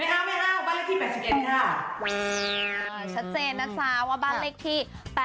เฮ้ยไม่เอาไม่เอาบ้านเลขที่๘๑ค่ะ